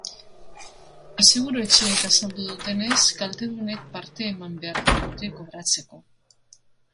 Aseguru-etxeek azaldu dutenez, kaltedunek parte eman beharko dute kobratzeko.